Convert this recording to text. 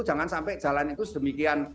jangan sampai jalan itu sedemikian